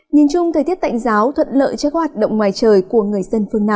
nhìn chung thời tiết tạnh giáo thuận lợi cho các hoạt động ngoài trời của người dân phương nam